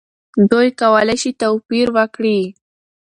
دوی کولی شي توپیر وکړي.